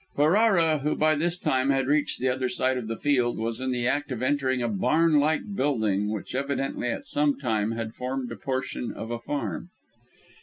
Ferrara, who by this time had reached the other side of the field, was in the act of entering a barn like building which evidently at some time had formed a portion of a farm.